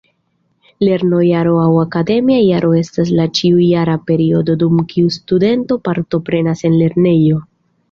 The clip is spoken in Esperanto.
Lernojaro aŭ akademia jaro estas la ĉiujara periodo dum kiu studento partoprenas en lernejo.